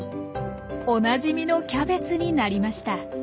おなじみのキャベツになりました。